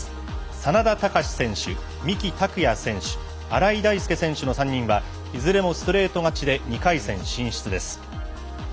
眞田卓選手、三木拓也選手荒井大輔選手の３人はいずれもストレート勝ちで２回戦進出です。